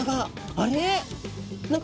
あれ？